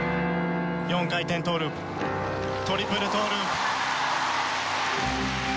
４回転トーループトリプルトーループ。